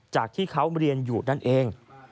จากที่เขาเรียนอยู่นั่นเอง